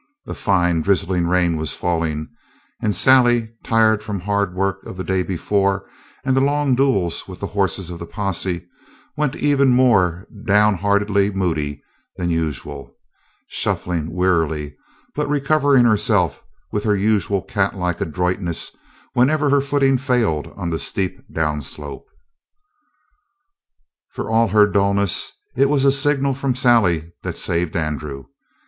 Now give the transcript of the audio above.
A fine, drizzling rain was falling, and Sally, tired from her hard work of the day before and the long duels with the horses of the posse, went even more down heartedly moody than usual, shuffling wearily, but recovering herself with her usual catlike adroitness whenever her footing failed on the steep downslope. For all her dullness, it was a signal from Sally that saved Andrew.